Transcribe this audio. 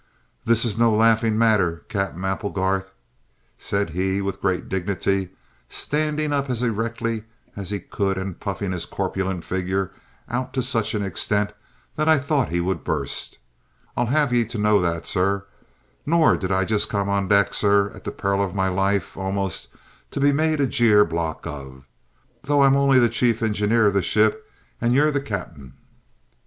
"This is no laughing matter, Cap'en Applegarth," said he with great dignity, standing up as erectly as he could and puffing his corpulent figure out to such an extent that I thought he would burst. "I'll have ye to know that, sir. Nor did I come on deck, sir, at the peril of my life almost, to be made a jeer block of, though I'm only the chief engineer of the ship and you're the ca'p'en."